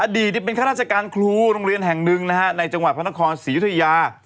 เป็นข้าราชการครูโรงเรียนแห่งหนึ่งนะฮะในจังหวัดพระนครศรียุธยา